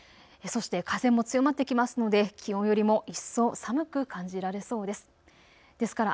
そして風も強まってきますので気温よりも一層寒く感じられそうです。